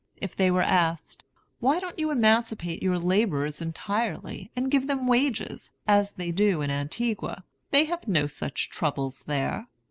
If they were asked, "Why don't you emancipate your laborers entirely, and give them wages, as they do in Antigua, they have no such troubles there?"